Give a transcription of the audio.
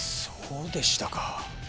そうでしたか。